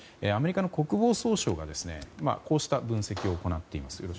アメリカの国防総省がこうした分析を行っています。